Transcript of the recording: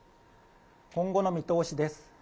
今後の見通しです。